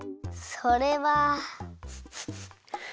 それは。